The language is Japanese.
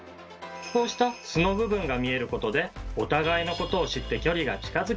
こうした素の部分が見えることでお互いのことを知って距離が近づき